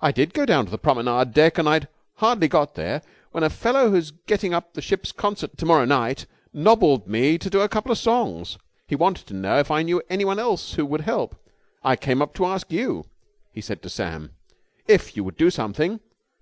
"I did go down to the promenade deck. And I'd hardly got there when a fellow who's getting up the ship's concert to morrow night nobbled me to do a couple of songs. He wanted to know if I knew anyone else who would help. I came up to ask you," he said to Sam, "if you would do something."